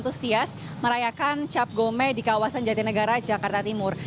namun masyarakat juga sangat antusias merayakan cap gome di kawasan jatinegara jakarta timur